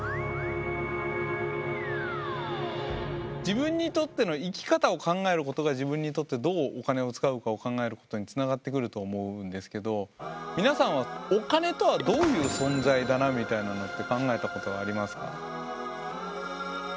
自分にとっての生き方を考えることが自分にとってどうお金を使うかを考えることにつながってくると思うんですけど皆さんはお金とはどういう存在だなみたいなのって考えたことはありますか？